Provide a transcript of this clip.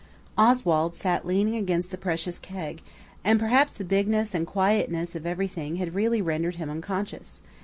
Oswald sat leaning against the precious keg, and perhaps the bigness and quietness of everything had really rendered him unconscious.